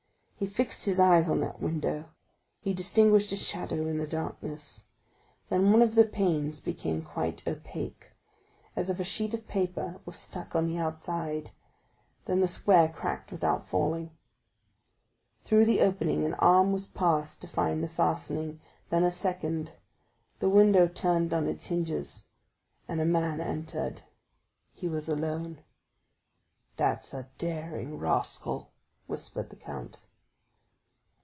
He fixed his eyes on that window—he distinguished a shadow in the darkness; then one of the panes became quite opaque, as if a sheet of paper were stuck on the outside, then the square cracked without falling. Through the opening an arm was passed to find the fastening, then a second; the window turned on its hinges, and a man entered. He was alone. "That's a daring rascal," whispered the count.